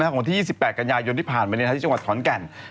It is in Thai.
ของที่๒๘กัญญายนที่ผ่านไปในท้ายที่จังหวัดถอนแก่น